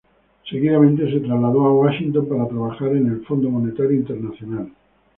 Seguidamente se trasladó a Washington para trabajar en el Fondo Monetario Internacional.